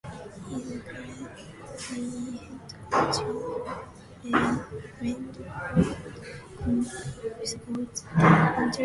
He is currently head coach of Brentford's Community Sports Trust's youth teams.